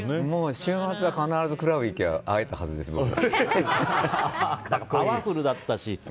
週末は必ずクラブに行けば会えたはずです、僕に。